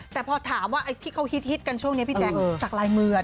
แต่พอถามว่าไอ้ที่เขาฮิตกันช่วงนี้พี่แจ๊คสักลายมือ